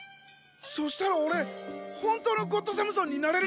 そしたらおれホントのゴッドサムソンになれるのか！